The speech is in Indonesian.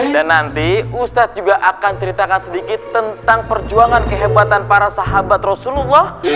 dan nanti ustadz juga akan ceritakan sedikit tentang perjuangan kehebatan para sahabat rasulullah